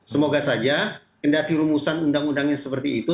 semoga saja indah tirumusan undang undang yang seperti itu